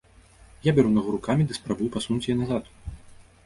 Я бяру нагу рукамі ды спрабую пасунуць яе назад.